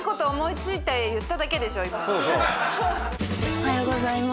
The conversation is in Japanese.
おはようございます。